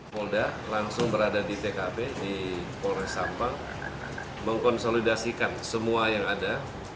polda langsung berada di tkp di polres sampang mengkonsolidasikan semua yang ada